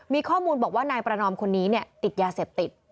มีข้อมูลบอกว่านายประนอมคนนี้ติดยาเสพติด